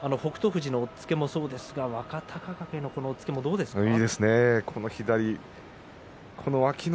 富士の押っつけもそうですが若隆景の押っつけもどうですか。